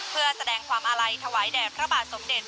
เพื่อแสดงความอาลัยถวายแด่พระบาทสมเด็จ